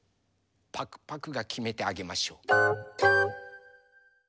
パクパクがきめてあげましょう。